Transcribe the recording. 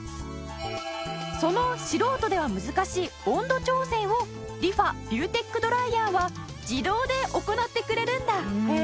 その素人では難しい温度調整をリファビューテックドライヤーは自動で行ってくれるんだ。